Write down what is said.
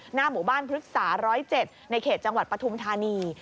หน้าหมู่บ้านพฤกษา๑๐๗ในเขตจังหวัดปฐุมธานี